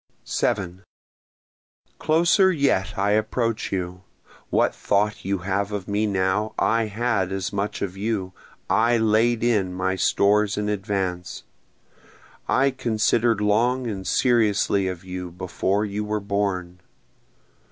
7 Closer yet I approach you, What thought you have of me now, I had as much of you I laid in my stores in advance, I consider'd long and seriously of you before you were born.